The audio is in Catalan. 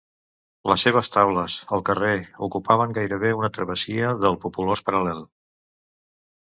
Les seves taules, al carrer, ocupaven gairebé una travessia del populós Paral·lel.